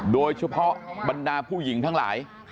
โดยเฉพาะบรรดาผู้หญิงทั้งหลาย